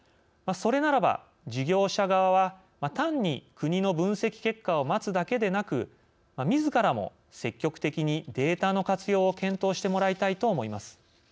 それならば事業者側は単に国の分析結果を待つだけでなくみずからも積極的にデータの活用を検討してもらいたいと思います。